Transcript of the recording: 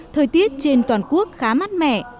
thời tiết trên toàn quốc khá mát mẻ